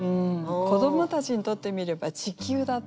子どもたちにとってみれば「ちきゅう」だった。